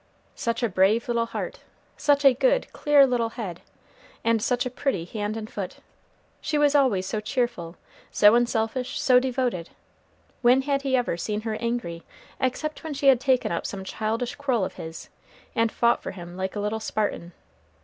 Such a brave little heart! such a good, clear little head! and such a pretty hand and foot! She was always so cheerful, so unselfish, so devoted! When had he ever seen her angry, except when she had taken up some childish quarrel of his, and fought for him like a little Spartan?